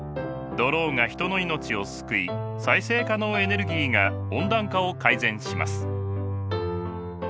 ドローンが人の命を救い再生可能エネルギーが温暖化を改善します。